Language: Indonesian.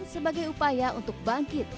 sebagai upaya untuk bangkit